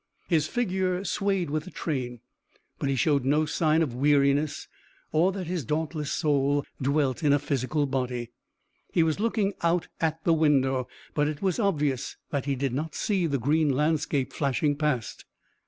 His figure swayed with the train, but he showed no sign of weariness or that his dauntless soul dwelt in a physical body. He was looking out at the window, but it was obvious that he did not see the green landscape flashing past.